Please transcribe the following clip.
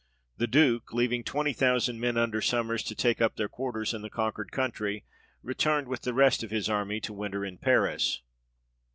The Duke, leaving twenty thousand men under Sommers, to take up their quarters in the con quered country, returned with the rest of his army to winter in Paris.